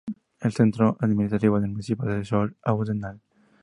El centro administrativo del municipio es Sør-Audnedal.